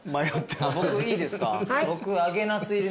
僕いいですか？